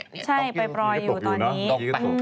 ใช่ปล่อยอยู่ตอนนี้